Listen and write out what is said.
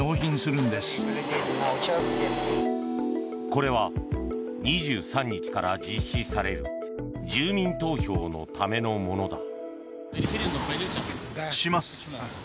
これは２３日から実施される住民投票のためのものだ。